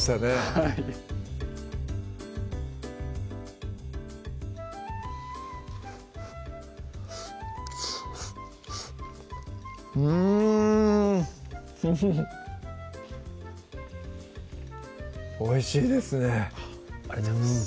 はいうんおいしいですねありがとうございます